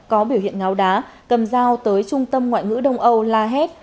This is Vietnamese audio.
có biểu hiện ngáo đá cầm dao tới trung tâm ngoại ngữ đông âu la hét